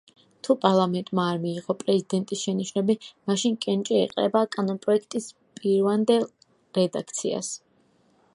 თუ პარლამენტმა არ მიიღო პრეზიდენტის შენიშვნები, მაშინ კენჭი ეყრება კანონპროექტის პირვანდელ რედაქციას.